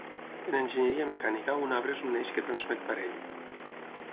En enginyeria mecànica un arbre és un eix que transmet parell.